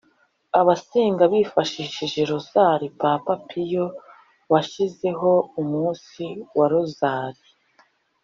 abasenga bifashishije rozali papa piyo washyizeho umunsi wa rozali